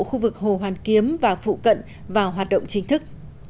khu vực hồ hoàn kiếm và phụ cận vào hoạt động chính thức